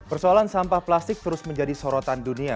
persoalan sampah plastik terus menjadi sorotan dunia